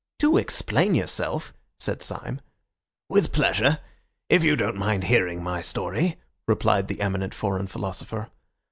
"Do explain yourself," said Syme. "With pleasure, if you don't mind hearing my story," replied the eminent foreign philosopher.